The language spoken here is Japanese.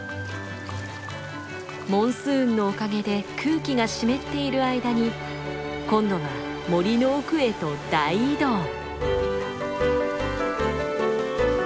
モンスーンのおかげで空気が湿っている間に今度は森の奥へと大移動。